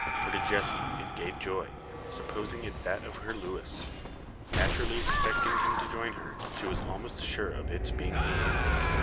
For to Jessie it gave joy, supposing it that of her Luis. Naturally expecting him to join her, she was almost sure of its being he.